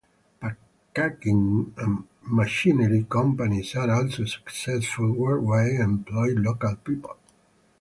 Packaging machinery companies are also successful worldwide and employ local people.